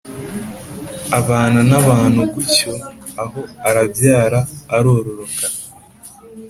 abana n’abantu gutyo, aho, arabyara, arororoka